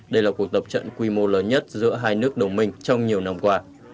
đây là cuộc tập trận quy mô lớn nhất giữa hai nước đồng minh trong nhiều năm qua